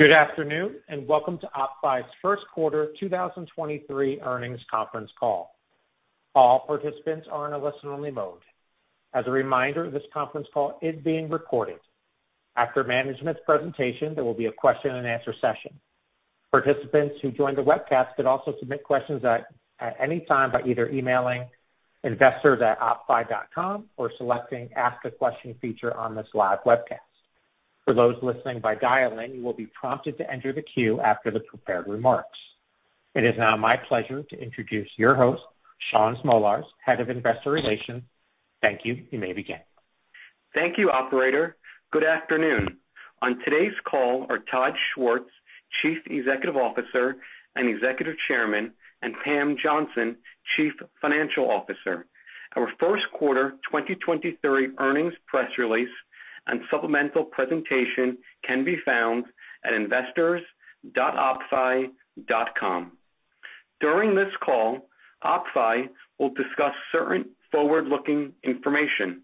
Good afternoon, welcome to OppFi's first quarter 2023 earnings conference call. All participants are in a listen-only mode. As a reminder, this conference call is being recorded. After management's presentation, there will be a question and answer session. Participants who joined the webcast could also submit questions at any time by either emailing investors@oppfi.com or selecting Ask a Question feature on this live webcast. For those listening by dial-in, you will be prompted to enter the queue after the prepared remarks. It is now my pleasure to introduce your host, Shaun Smolarz, Head of Investor Relations. Thank you. You may begin. Thank you, operator. Good afternoon. On today's call are Todd Schwartz, Chief Executive Officer and Executive Chairman, and Pamela Johnson, Chief Financial Officer. Our first quarter 2023 earnings press release and supplemental presentation can be found at investors.oppfi.com. During this call, OppFi will discuss certain forward-looking information.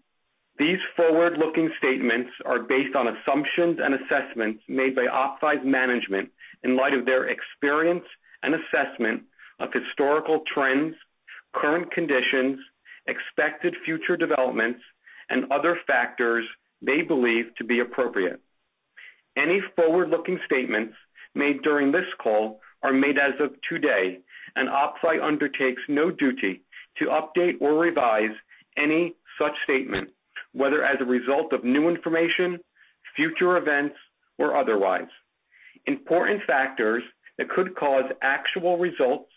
These forward-looking statements are based on assumptions and assessments made by OppFi's management in light of their experience and assessment of historical trends, current conditions, expected future developments, and other factors they believe to be appropriate. Any forward-looking statements made during this call are made as of today, and OppFi undertakes no duty to update or revise any such statement, whether as a result of new information, future events or otherwise. Important factors that could cause actual results,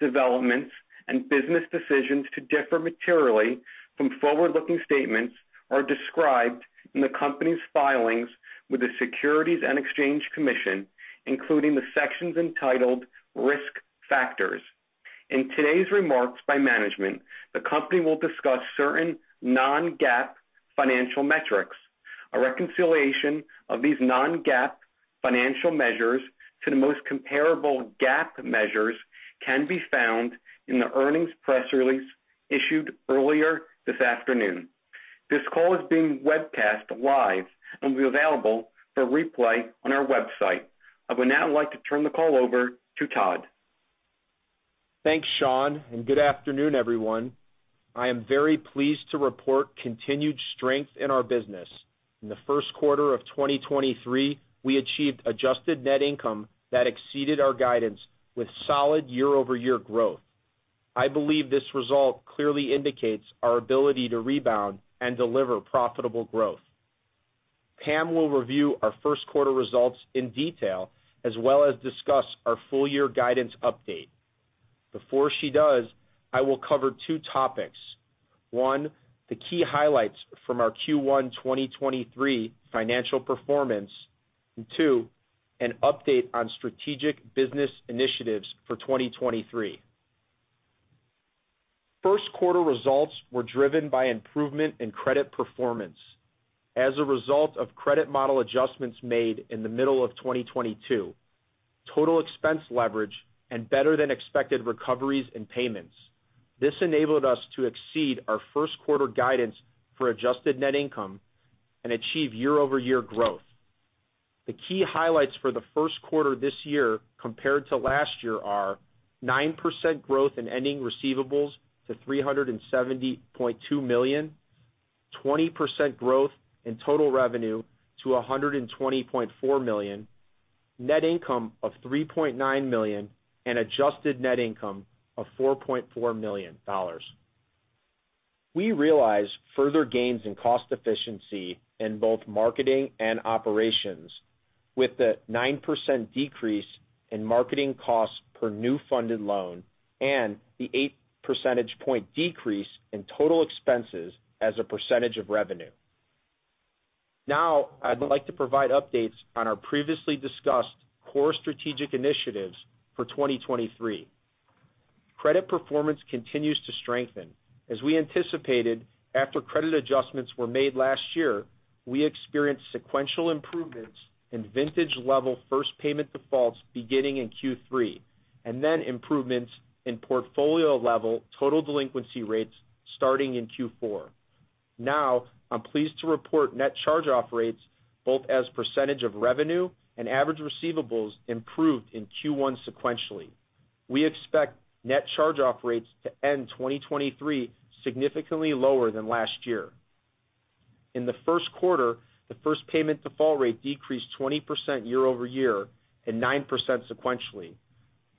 developments and business decisions to differ materially from forward-looking statements are described in the company's filings with the Securities and Exchange Commission, including the sections entitled Risk Factors. In today's remarks by management, the company will discuss certain non-GAAP financial metrics. A reconciliation of these non-GAAP financial measures to the most comparable GAAP measures can be found in the earnings press release issued earlier this afternoon. This call is being webcast live and will be available for replay on our website. I would now like to turn the call over to Todd. Thanks, Shaun, good afternoon, everyone. I am very pleased to report continued strength in our business. In the first quarter of 2023, we achieved Adjusted Net Income that exceeded our guidance with solid year-over-year growth. I believe this result clearly indicates our ability to rebound and deliver profitable growth. Pamela will review our first quarter results in detail as well as discuss our full year guidance update. Before she does, I will cover two topics. One, the key highlights from our Q1 2023 financial performance. Two, an update on strategic business initiatives for 2023. First quarter results were driven by improvement in credit performance. As a result of credit model adjustments made in the middle of 2022, total expense leverage and better than expected recoveries and payments. This enabled us to exceed our first quarter guidance for Adjusted Net Income and achieve year-over-year growth. The key highlights for the first quarter this year compared to last year are 9% growth in ending receivables to $370.2 million, 20% growth in total revenue to $120.4 million, net income of $3.9 million, and Adjusted Net Income of $4.4 million. We realized further gains in cost efficiency in both marketing and operations, with the 9% decrease in marketing costs per new funded loan and the 8% point decrease in total expenses as a percentage of revenue. I'd like to provide updates on our previously discussed core strategic initiatives for 2023. Credit performance continues to strengthen. As we anticipated after credit adjustments were made last year, we experienced sequential improvements in Vintage-Level First Payment Default beginning in Q3, and then improvements in portfolio-level total delinquency rates starting in Q4. I'm pleased to report Net Charge-Off Rates, both as % of revenue and average receivables improved in Q1 sequentially. We expect Net Charge-Off Rates to end 2023 significantly lower than last year. In the first quarter, the First Payment Default rate decreased 20% year-over-year and 9% sequentially.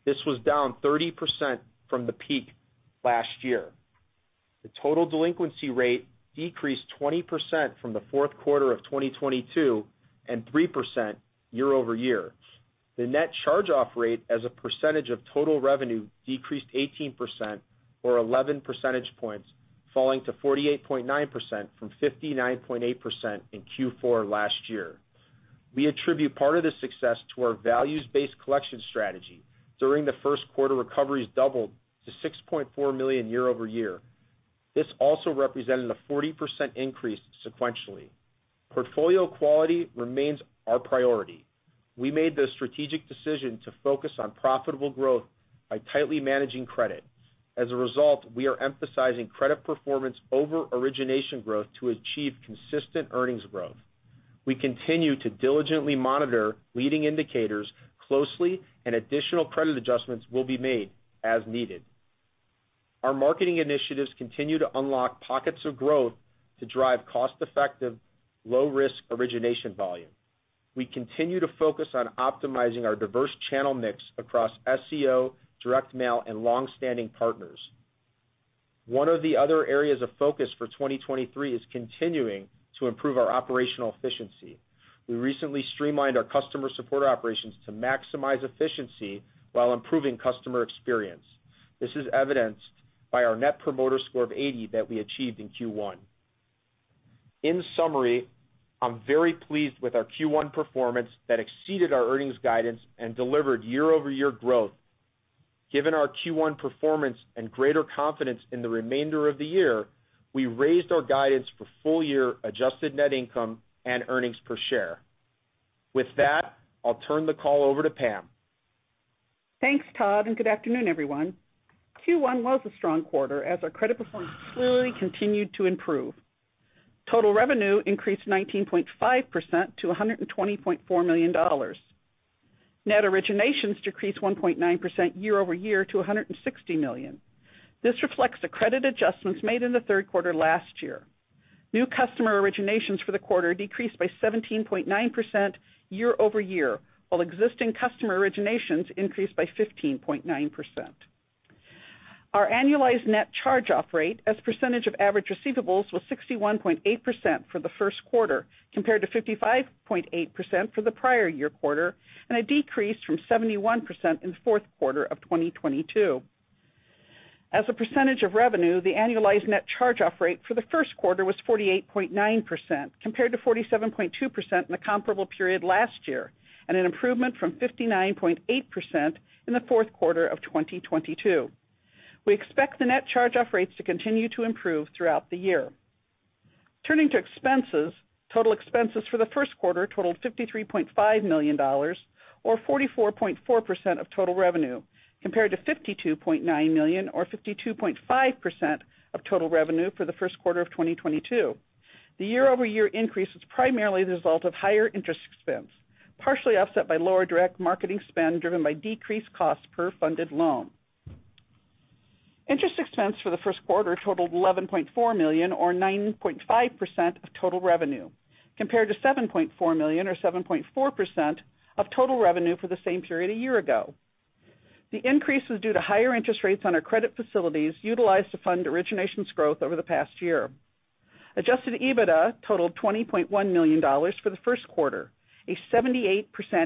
This was down 30% from the peak last year. The total delinquency rate decreased 20% from the fourth quarter of 2022 and 3% year-over-year. The Net Charge-Off Rate as a % of total revenue decreased 18% or 11% points, falling to 48.9% from 59.8% in Q4 last year. We attribute part of this success to our values-based collection strategy. During the first quarter, recoveries doubled to $6.4 million year-over-year. This also represented a 40% increase sequentially. Portfolio quality remains our priority. We made the strategic decision to focus on profitable growth by tightly managing credit. As a result, we are emphasizing credit performance over origination growth to achieve consistent earnings growth. We continue to diligently monitor leading indicators closely and additional credit adjustments will be made as needed. Our marketing initiatives continue to unlock pockets of growth to drive cost-effective, low-risk origination volume. We continue to focus on optimizing our diverse channel mix across SEO, direct mail, and long-standing partners. One of the other areas of focus for 2023 is continuing to improve our operational efficiency. We recently streamlined our customer support operations to maximize efficiency while improving customer experience. This is evidenced by our Net Promoter Score of 80 that we achieved in Q1. In summary, I'm very pleased with our Q1 performance that exceeded our earnings guidance and delivered year-over-year growth. Given our Q1 performance and greater confidence in the remainder of the year, we raised our guidance for full year Adjusted Net Income and earnings per share. With that, I'll turn the call over to Pamela. Thanks, Todd. Good afternoon, everyone. Q1 was a strong quarter as our credit performance clearly continued to improve. Total revenue increased 19.5% to $120.4 million. Net originations decreased 1.9% year-over-year to $160 million. This reflects the credit adjustments made in the third quarter last year. New customer originations for the quarter decreased by 17.9% year-over-year, while existing customer originations increased by 15.9%. Our annualized Net Charge-Off Rate as % of average receivables was 61.8% for the first quarter, compared to 55.8% for the prior year quarter, and a decrease from 71% in the fourth quarter of 2022. As a percentage of revenue, the annualized Net Charge-Off Rate for the first quarter was 48.9%, compared to 47.2% in the comparable period last year. An improvement from 59.8% in the fourth quarter of 2022. We expect the Net Charge-Off Rates to continue to improve throughout the year. Turning to expenses. Total expenses for the first quarter totaled $53.5 million or 44.4% of total revenue, compared to $52.9 million or 52.5% of total revenue for the first quarter of 2022. The year-over-year increase was primarily the result of higher interest expense, partially offset by lower direct marketing spend driven by decreased costs per funded loan. Interest expense for the first quarter totaled $11.4 million or 9.5% of total revenue, compared to $7.4 million or 7.4% of total revenue for the same period a year ago. The increase was due to higher interest rates on our credit facilities utilized to fund originations growth over the past year. Adjusted EBITDA totaled $20.1 million for the first quarter, a 78%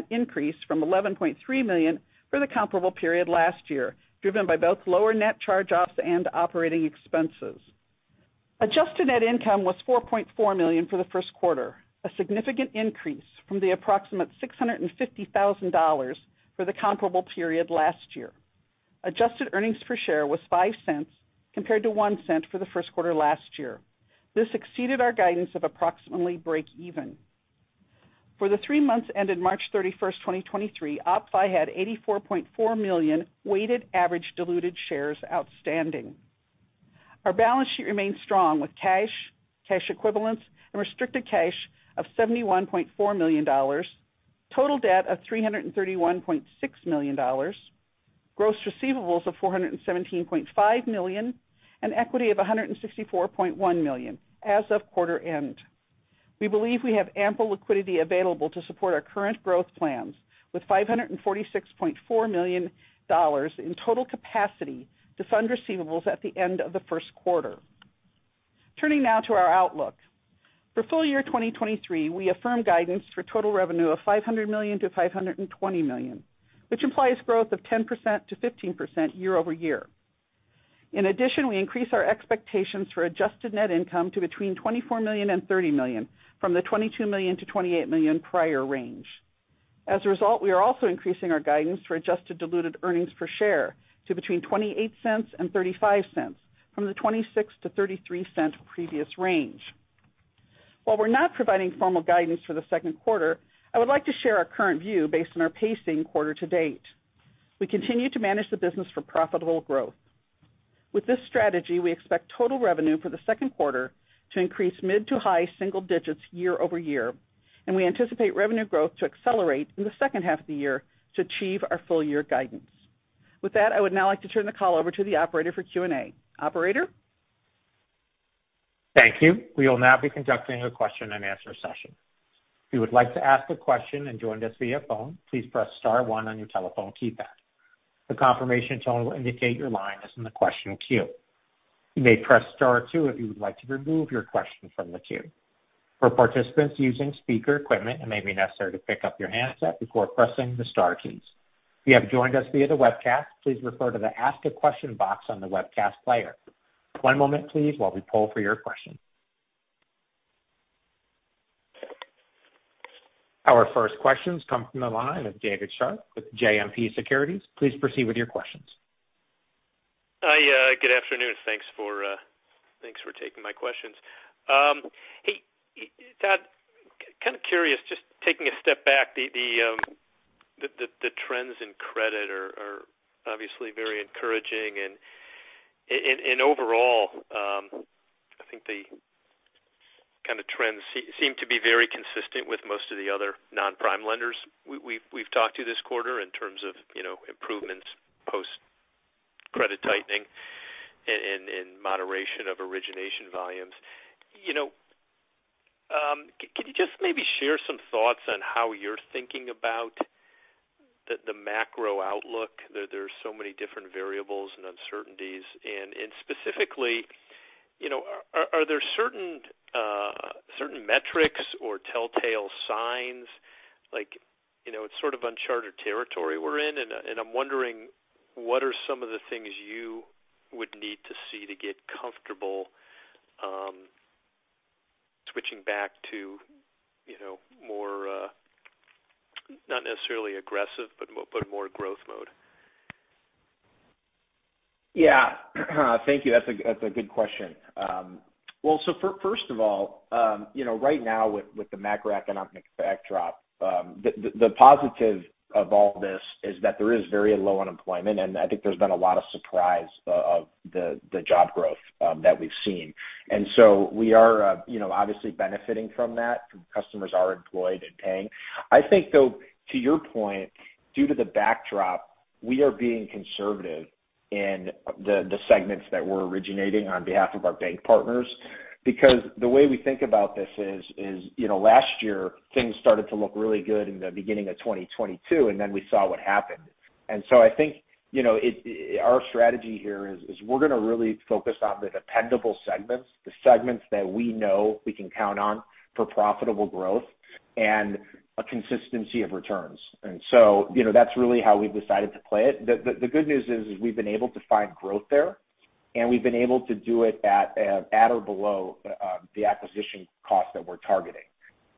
increase from $11.3 million for the comparable period last year, driven by both lower net charge-offs and operating expenses. Adjusted Net Income was $4.4 million for the first quarter, a significant increase from the approximate $650,000 for the comparable period last year. Adjusted Earnings Per Share was $0.05 compared to $0.01 for the first quarter last year. This exceeded our guidance of approximately break even. For the three months ended March 31st, 2023, OppFi had 84.4 million weighted average diluted shares outstanding. Our balance sheet remains strong with cash equivalents, and restricted cash of $71.4 million, total debt of $331.6 million, gross receivables of $417.5 million, and equity of $164.1 million as of quarter end. We believe we have ample liquidity available to support our current growth plans, with $546.4 million in total capacity to fund receivables at the end of the first quarter. Turning now to our outlook. For full year 2023, we affirm guidance for total revenue of $500 million-$520 million, which implies growth of 10%-15% year-over-year. In addition, we increase our expectations for Adjusted Net Income to between $24 million and $30 million from the $22 million-$28 million prior range. As a result, we are also increasing our guidance for Adjusted Diluted Earnings Per Share to between $0.28 and $0.35 from the $0.26-$0.33 previous range. While we're not providing formal guidance for the second quarter, I would like to share our current view based on our pacing quarter to date. We continue to manage the business for profitable growth. With this strategy, we expect total revenue for the second quarter to increase mid to high single digits year-over-year, and we anticipate revenue growth to accelerate in the second half of the year to achieve our full year guidance. With that, I would now like to turn the call over to the operator for Q&A. Operator? Thank you. We will now be conducting a question and answer session. If you would like to ask a question and joined us via phone, please press star one on your telephone keypad. The confirmation tone will indicate your line is in the question queue. You may press star two if you would like to remove your question from the queue. For participants using speaker equipment, it may be necessary to pick up your handset before pressing the star keys. If you have joined us via the webcast, please refer to the Ask a Question box on the webcast player. One moment please while we poll for your question. Our first questions come from the line of David Scharf with JMP Securities. Please proceed with your questions. Hi, good afternoon. Thanks for, thanks for taking my questions. Hey, Todd, curious, just taking a step back, the trends in credit are obviously very encouraging. Overall, I think the kinda trends seem to be very consistent with most of the other non-prime lenders we've talked to this quarter in terms of, you know, improvements post credit tightening and moderation of origination volumes. You know, can you just maybe share some thoughts on how you're thinking about the macro outlook? There's so many different variables and uncertainties. Specifically, you know, are there certain metrics or telltale signs like, you know, it's sort of uncharted territory we're in. I'm wondering what are some of the things you would need to see to get comfortable, switching back to, you know, more, not necessarily aggressive, but more growth mode? Yeah. Thank you. That's a, that's a good question. Well, so first of all, you know, right now with the macroeconomic backdrop, the, the positive of all this is that there is very low unemployment, and I think there's been a lot of surprise of the job growth that we've seen. We are, you know, obviously benefiting from that. Customers are employed and paying. I think, though, to your point, due to the backdrop, we are being conservative in the segments that we're originating on behalf of our bank partners. The way we think about this is, you know, last year things started to look really good in the beginning of 2022, and then we saw what happened. I think, you know, our strategy here is we're gonna really focus on the dependable segments, the segments that we know we can count on for profitable growth and a consistency of returns. You know, that's really how we've decided to play it. The good news is we've been able to find growth there, and we've been able to do it at or below the acquisition cost that we're targeting.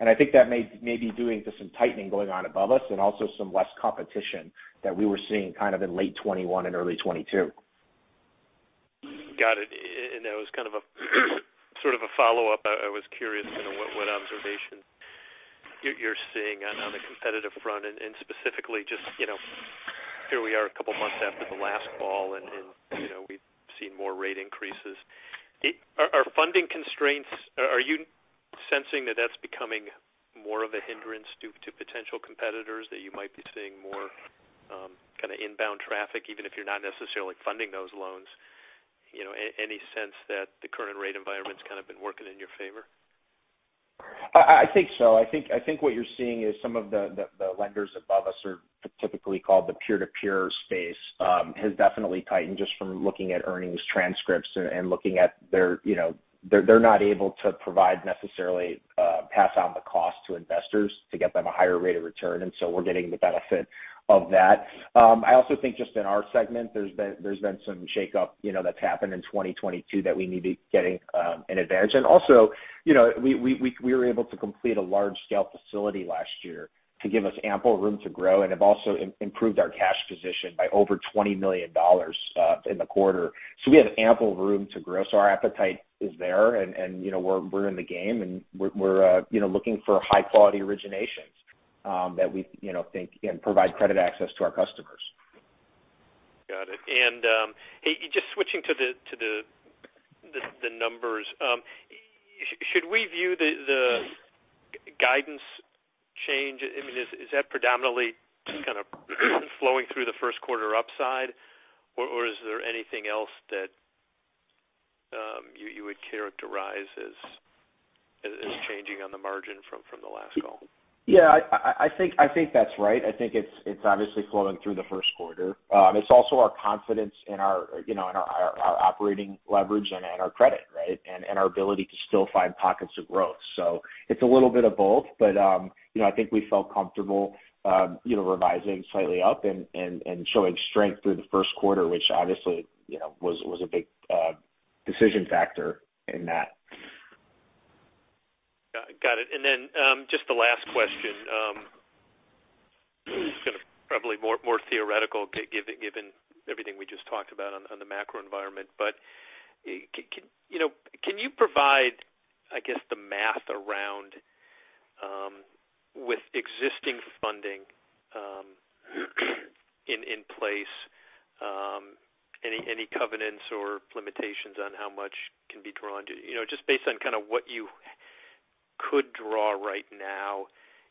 I think that may be due to some tightening going on above us and also some less competition that we were seeing kind of in late 2021 and early 2022. Got it. I was kind of a sort of a follow-up. I was curious, you know, what observation you're seeing on the competitive front, and specifically just, you know, here we are a couple months after the last call and, you know, we've seen more rate increases. Are funding constraints? Are you sensing that that's becoming more of a hindrance due to potential competitors, that you might be seeing more, kinda inbound traffic, even if you're not necessarily funding those loans? You know, any sense that the current rate environment's kinda been working in your favor? I think so. I think what you're seeing is some of the lenders above us are typically called the peer-to-peer space, has definitely tightened just from looking at earnings transcripts and looking at their, you know. They're not able to provide necessarily, pass on the cost to investors to get them a higher rate of return. We're getting the benefit of that. I also think just in our segment, there's been some shakeup, you know, that's happened in 2022 that we may be getting an advantage. Also, you know, we were able to complete a large-scale facility last year to give us ample room to grow and have also improved our cash position by over $20 million in the quarter. We have ample room to grow. Our appetite is there and, you know, we're in the game and we're, you know, looking for high-quality originations that we, you know, think can provide credit access to our customers. Got it. Hey, just switching to the numbers. Should we view the guidance change, I mean, is that predominantly just kind of flowing through the first quarter upside, or is there anything else that you would characterize as changing on the margin from the last call? Yeah. I think that's right. I think it's obviously flowing through the first quarter. It's also our confidence in our, you know, in our operating leverage and in our credit, right? In our ability to still find pockets of growth. It's a little bit of both. You know, I think we felt comfortable, you know, revising slightly up and showing strength through the first quarter, which obviously, you know, was a big decision factor in that. Got it. Just the last question, it's gonna probably more theoretical given everything we just talked about on the macro environment. You know, can you provide, I guess, the math around with existing funding in place, any covenants or limitations on how much can be drawn? You know, just based on kinda what you could draw right now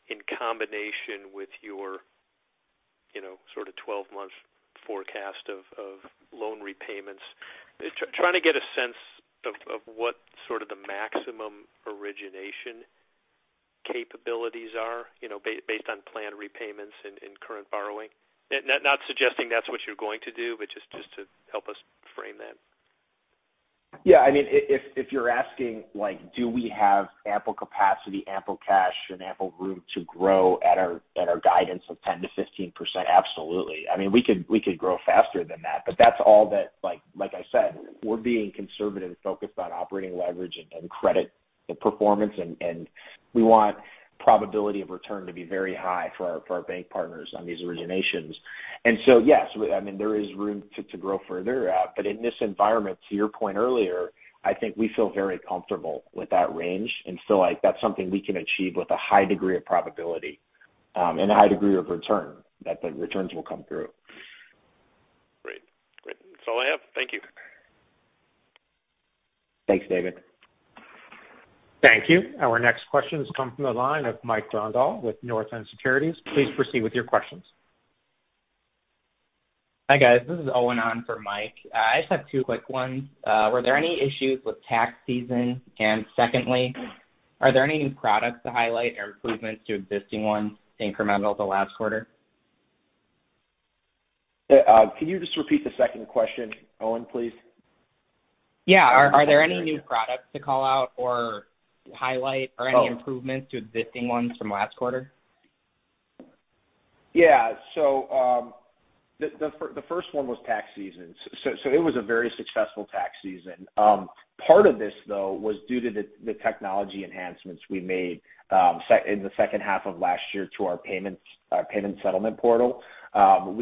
in combination with your, you know, sort of 12-month forecast of loan repayments. Trying to get a sense of what sort of the maximum origination capabilities are, you know, based on planned repayments and current borrowing. Not suggesting that's what you're going to do, but just to help us frame that. Yeah. I mean, if you're asking, like, do we have ample capacity, ample cash, and ample room to grow at our guidance of 10%-15%? Absolutely. I mean, we could grow faster than that, but that's all that like I said, we're being conservative and focused on operating leverage and credit performance. We want probability of return to be very high for our bank partners on these originations. Yes, I mean, there is room to grow further. In this environment, to your point earlier, I think we feel very comfortable with that range and feel like that's something we can achieve with a high degree of probability and a high degree of return, that the returns will come through. Great. That's all I have. Thank you. Thanks, David. Thank you. Our next question comes from the line of Michael Rondahl with Northland Securities. Please proceed with your questions. Hi, guys. This is Owen on for Michael. I just have two quick ones. Were there any issues with tax season? Secondly, are there any new products to highlight or improvements to existing ones incremental to last quarter? Yeah, can you just repeat the second question, Owen, please? Yeah. Are there any new products to call out or highlight or any improvements to existing ones from last quarter? The first one was tax season. It was a very successful tax season. Part of this though was due to the technology enhancements we made in the second half of last year to our payments, payment settlement portal.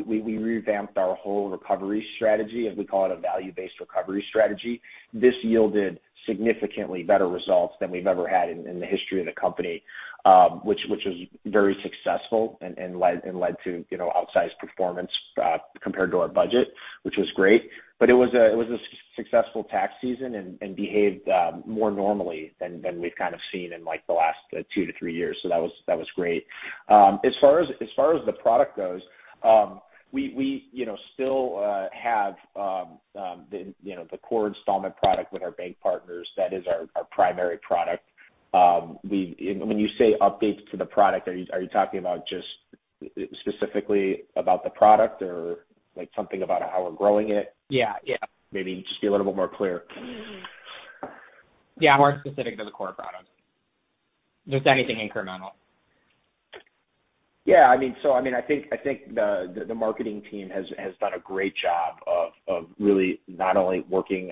We revamped our whole recovery strategy, as we call it, a value-based recovery strategy. This yielded significantly better results than we've ever had in the history of the company, which was very successful and led to, you know, outsized performance compared to our budget, which was great. It was a successful tax season and behaved more normally than we've kind of seen in, like, the last two to three years. That was great. As far as the product goes, we, you know, still have, the, you know, the core installment product with our bank partners. That is our primary product. When you say updates to the product, are you talking about just specifically about the product or like something about how we're growing it? Yeah. Yeah. Maybe just be a little bit more clear. Yeah. More specific to the core product. Just anything incremental. I think the marketing team has done a great job of really not only working,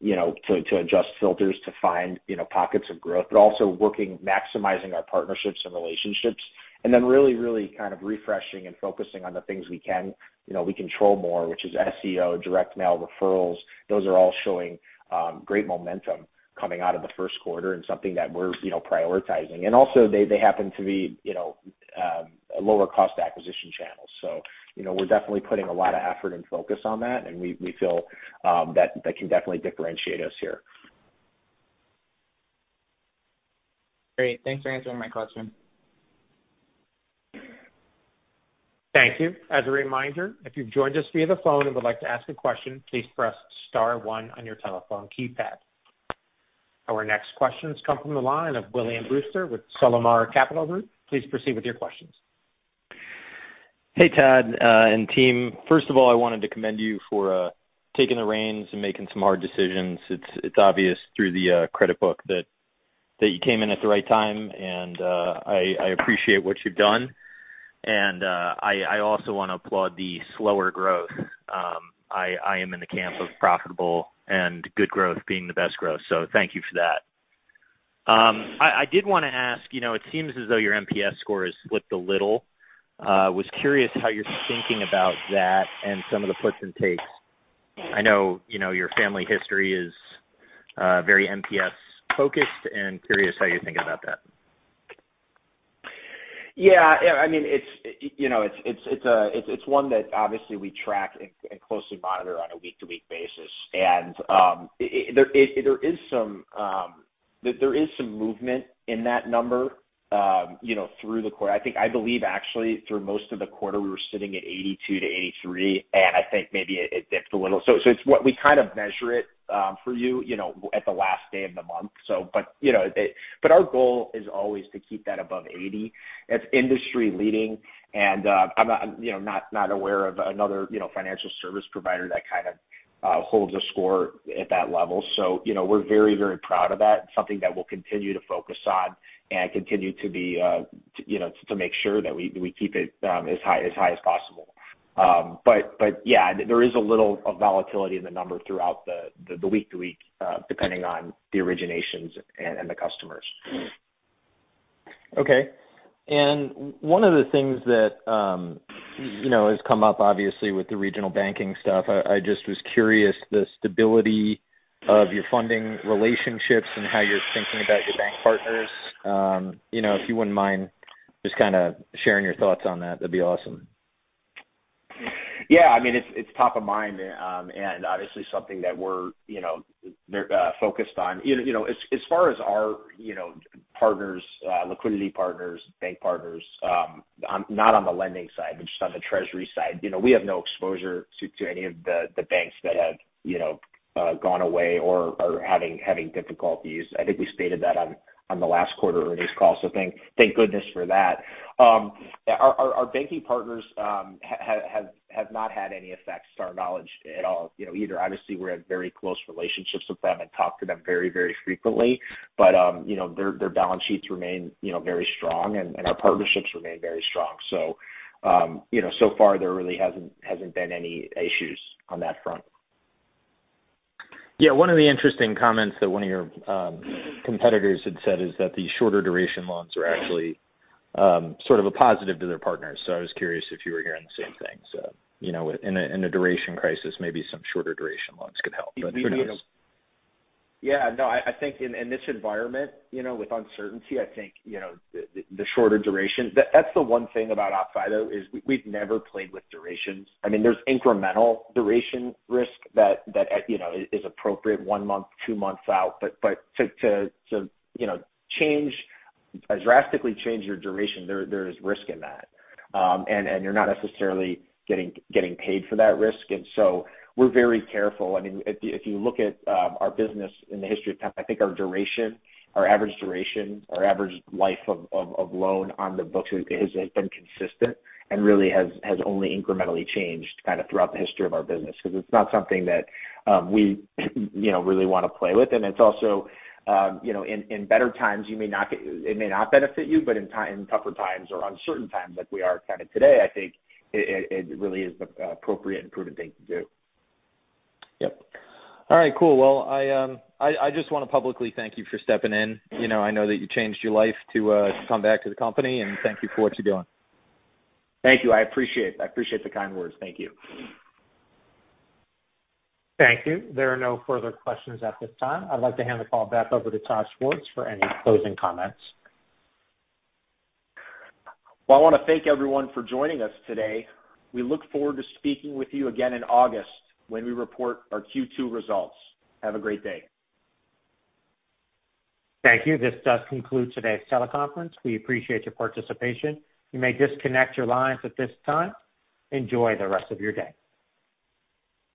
you know, to adjust filters to find, you know, pockets of growth, but also working maximizing our partnerships and relationships. Really kind of refreshing and focusing on the things we can, you know, we control more, which is SEO, direct mail, referrals. Those are all showing great momentum coming out of the first quarter and something that we're, you know, prioritizing. They happen to be, you know, a lower cost acquisition channels. You know, we're definitely putting a lot of effort and focus on that, and we feel that that can definitely differentiate us here. Great. Thanks for answering my question. Thank you. As a reminder, if you've joined us via the phone and would like to ask a question, please press star one on your telephone keypad. Our next question comes from the line of William Brewster with Sullimar Capital Group. Please proceed with your questions. Hey, Todd, and team. First of all, I wanted to commend you for taking the reins and making some hard decisions. It's, it's obvious through the credit book that you came in at the right time, and I appreciate what you've done. I also wanna applaud the slower growth. I am in the camp of profitable and good growth being the best growth. Thank you for that. I did wanna ask, you know, it seems as though your NPS score has flipped a little. Was curious how you're thinking about that and some of the puts and takes. I know, you know, your family history is very NPS focused and curious how you think about that. Yeah. I mean, it's, you know, it's one that obviously we track and closely monitor on a week-to-week basis. There is some movement in that number, you know, through the quarter. I think I believe actually through most of the quarter, we were sitting at 82 to 83, and I think maybe it dipped a little. It's what we kind of measure it for you know, at the last day of the month. But, you know, our goal is always to keep that above 80. It's industry leading and I'm not, you know, aware of another, you know, financial service provider that kind of holds a score at that level. We're very, very proud of that. It's something that we'll continue to focus on and continue to be, to, you know, to make sure that we keep it as high as possible. Yeah, there is a little volatility in the number throughout the week to week, depending on the originations and the customers. Okay. One of the things that, you know, has come up obviously with the regional banking stuff, I just was curious the stability of your funding relationships and how you're thinking about your bank partners. you know, if you wouldn't mind just kinda sharing your thoughts on that'd be awesome. Yeah, I mean, it's top of mind, and obviously something that we're, you know, they're focused on. You know, as far as our, you know, partners, liquidity partners, bank partners, not on the lending side, but just on the treasury side. You know, we have no exposure to any of the banks that have, you know, gone away or are having difficulties. I think we stated that on the last quarter earnings call. Thank goodness for that. Our banking partners have not had any effects, to our knowledge, at all, you know, either. Obviously, we're in very close relationships with them and talk to them very, very frequently. Their balance sheets remain, you know, very strong and our partnerships remain very strong. You know, so far there really hasn't been any issues on that front. Yeah. One of the interesting comments that one of your competitors had said is that the shorter duration loans are actually sort of a positive to their partners. I was curious if you were hearing the same thing. You know, in a, in a duration crisis, maybe some shorter duration loans could help. Who knows? Yeah, no, I think in this environment, you know, with uncertainty, I think, you know, the shorter duration. That's the one thing about OppFi, though, is we've never played with durations. I mean, there's incremental duration risk that, you know, is appropriate one month, two months out. To, you know, drastically change your duration, there is risk in that. You're not necessarily getting paid for that risk. So we're very careful. I mean, if you look at, our business in the history of time, I think our duration, our average duration, our average life of loan on the books has been consistent and really has only incrementally changed kind of throughout the history of our business. It's not something that we, you know, really wanna play with. It's also, you know, in better times, it may not benefit you, but in time, tougher times or uncertain times like we are kind of today, I think it really is the appropriate and prudent thing to do. Yep. All right. Cool. I just wanna publicly thank you for stepping in. You know, I know that you changed your life to come back to the company. Thank you for what you're doing. Thank you. I appreciate it. I appreciate the kind words. Thank you. Thank you. There are no further questions at this time. I'd like to hand the call back over to Todd Schwartz for any closing comments. I want to thank everyone for joining us today. We look forward to speaking with you again in August when we report our Q2 results. Have a great day. Thank you. This does conclude today's teleconference. We appreciate your participation. You may disconnect your lines at this time. Enjoy the rest of your day.